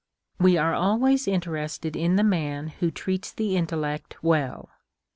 We are always interested in the man Avho treats the intellect well.